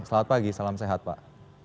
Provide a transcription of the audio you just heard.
selamat pagi salam sehat pak